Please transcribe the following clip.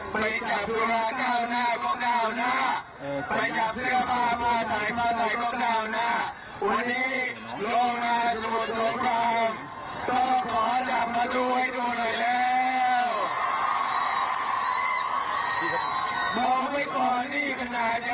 ไปจับสุราเก้าหน้ากล้องเก้าหน้าไปจับเสื้อปลามาถ่ายมาถ่ายกล้องเก้าหน้า